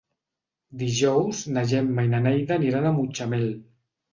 Dijous na Gemma i na Neida aniran a Mutxamel.